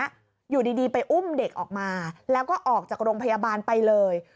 อยู่ดีไปอุ้มเด็กออกมาแล้วก็ออกจากโรงพยาบาลไปเลย